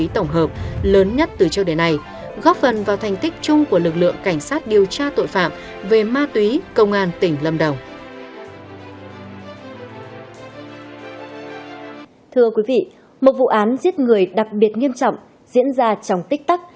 thưa quý vị một vụ án giết người đặc biệt nghiêm trọng diễn ra trong tích tắc